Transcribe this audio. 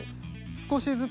少しずつ。